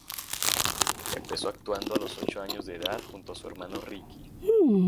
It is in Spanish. Empezó actuando a los ocho años de edad junto a su hermano Ricky.